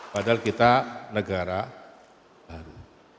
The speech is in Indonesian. padahal kita negara baru